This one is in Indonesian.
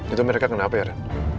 itu mereka kenapa ya